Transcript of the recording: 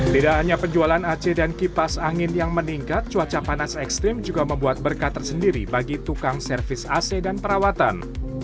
tidak hanya penjualan ac dan kipas angin yang meningkat cuaca panas ekstrim juga membuat berkat tersendiri bagi tukang servis ac dan perawatan